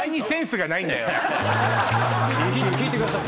聞いてください。